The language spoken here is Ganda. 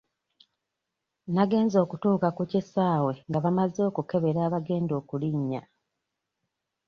Nagenze okutuuka ku kisaawe nga bamaze okukebera abagenda okulinnya.